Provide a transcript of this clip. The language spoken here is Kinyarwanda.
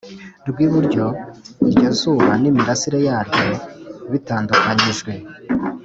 Rw iburyo iryo zuba n imirasire yaryo bitandukanyijwe